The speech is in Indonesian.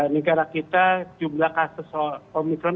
negara kita jumlah kasus omikron